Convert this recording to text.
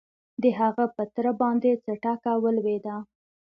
د هغه په تره باندې څه ټکه ولوېده؟